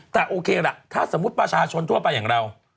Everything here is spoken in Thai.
แต่โอเคล่ะถ้าสมมุติประชาชนทั่วไปอย่างเรา